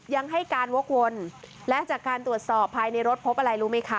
ยังให้การวกวนและจากการตรวจสอบภายในรถพบอะไรรู้ไหมคะ